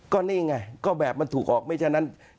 ก็นี่ไงก็แบบมันถูกออกไม่ฉะนั้น